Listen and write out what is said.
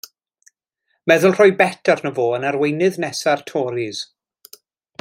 Meddwl rhoi bet arno fo yn arweinydd nesa'r Toris.